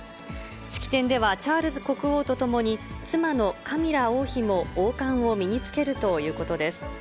式典ではチャールズ国王と共に、妻のカミラ王妃も王冠を身につけるということです。